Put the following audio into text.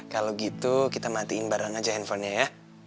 kalau gitu kita matiin bareng aja handphonenya ya